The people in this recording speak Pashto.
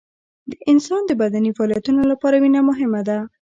د انسان د بدني فعالیتونو لپاره وینه مهمه ده